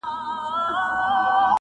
په تن خرقه په لاس کي دي تسبې لرې که نه,